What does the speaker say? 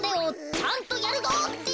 ちゃんとやるぞって。